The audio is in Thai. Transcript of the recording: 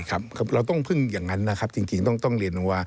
ครับเราต้องพึ่งอย่างนั้นนะครับจริงต้องเรียนว่า